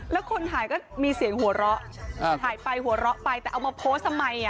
แล้วคนถ่ายก็มีเสียงหัวเราะถ่ายไปหัวเราะไปแต่เอามาโพสต์ทำไม